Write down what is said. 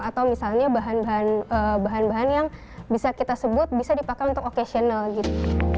atau misalnya bahan bahan yang bisa kita sebut bisa dipakai untuk occasional gitu